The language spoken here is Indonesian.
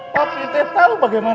papih teh tau bagaimana